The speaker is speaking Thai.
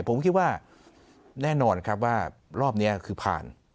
ผมคิดว่าแน่นอนครับว่ารอบนี้คือผ่าน